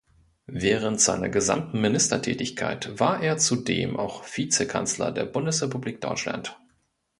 Während seiner gesamten Ministertätigkeit war er zudem auch Vizekanzler der Bundesrepublik Deutschland.